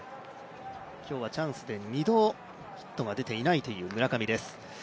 今日はチャンスで２度ヒットが出ていないという村上です。